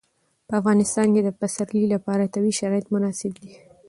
په افغانستان کې د پسرلی لپاره طبیعي شرایط مناسب دي.